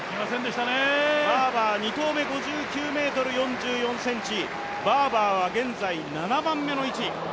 バーバー２投目５９ｍ４４ｃｍ、バーバーは現在、７番目の位置。